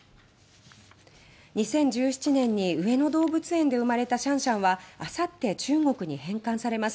２０１７年に上野動物園で生まれたシャンシャンはあさって中国に返還されます。